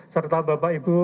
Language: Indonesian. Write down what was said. serta bapak ibu